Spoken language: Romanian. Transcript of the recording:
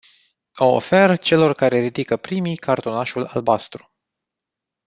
O ofer celor care ridică primii cartonașul albastru.